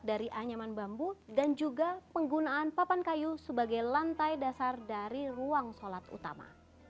dari anyaman bambu dan juga penggunaan papan kayu sebagai lantai dasar dari ruang sholat utama